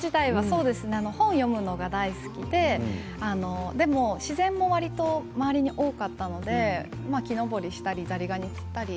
本を読むのが大好きで自然も、わりと周りに多かったので木登りをしたりザリガニを釣ったり。